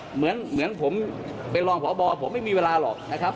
เหมือนผมเป็นรองพบผมไม่มีเวลาหรอกนะครับ